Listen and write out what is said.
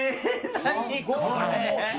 何これ？